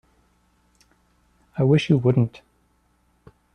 I wish you wouldn't.